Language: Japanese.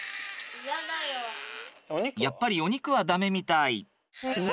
やっぱりお肉はダメみたい。